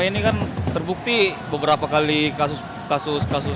ini kan terbukti beberapa kali kasus kasus